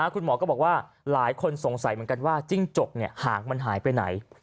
คุณหมอก็บอกว่าหลายคนสงสัยเหมือนกันว่าจิ้งจกหางมันหายไปไหน